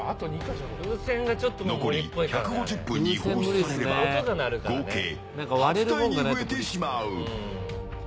残り１５０分に放出されれば合計８体に増えてしまう。